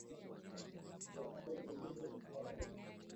mingi imetekeleza mitandao ya ufuatiliaji ambayo inaendelea kupima